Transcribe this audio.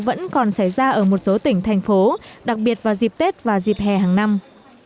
vẫn còn xảy ra ở một số tỉnh thành phố đặc biệt vào dịp tết và dịp hè hàng năm